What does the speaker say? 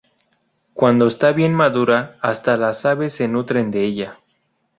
Cuando está bien madura hasta las aves se nutren de ella.